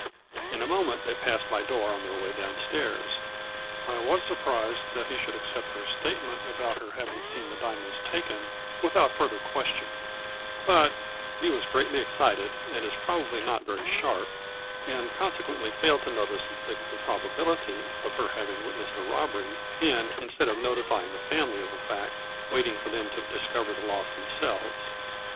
In a mo ment they passed my door on their way down stairs. I was surprised that he should accept her statement about her having seen the dia monds taken without further question ; but he was greatly excited, and is probably not very sharp, and consequently failed to notice the impro bability of her having witnessed a robbery, and, instead of notifying the family of the fact, wait ing for them to discover the loss themselves.